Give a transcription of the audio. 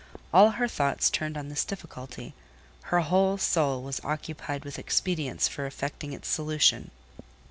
All her thoughts turned on this difficulty; her whole soul was occupied with expedients for effecting its solution.